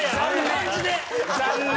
残念！